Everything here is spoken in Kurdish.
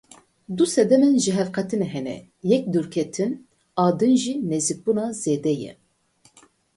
Du sedemên jihevqetînê hene yek dûrketin a din jî nêzîkbûna zêde ye.